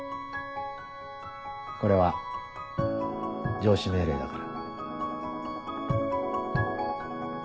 これは上司命令だから。